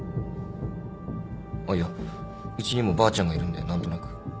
あっいやうちにもばあちゃんがいるんで何となく。